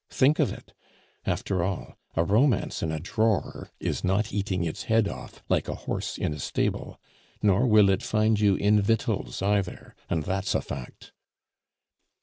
Think of it! After all, a romance in a drawer is not eating its head off like a horse in a stable, nor will it find you in victuals either, and that's a fact."